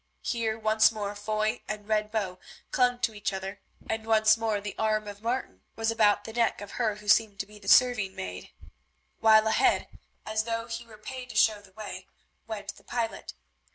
Here once more Foy and Red Bow clung to each other, and once more the arm of Martin was about the neck of her who seemed to be the serving maid, while ahead, as though he were paid to show the way, went the pilot.